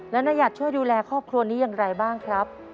แล้วนหยัดช่วยดูแลครอบครัวนี้อย่างไรบ้างครับ